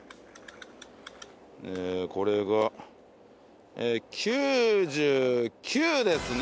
えーこれが９９ですね。